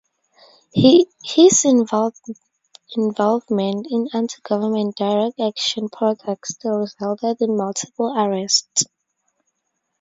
His involvement in anti-government direct action protests resulted in multiple arrests.